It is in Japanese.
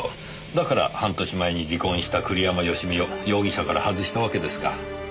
だから半年前に離婚した栗山佳美を容疑者から外したわけですか。